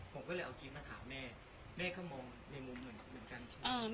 ผมก็เลยเอาคลิปมาถามแม่แม่ก็มองในมุมเหมือนกันใช่ไหม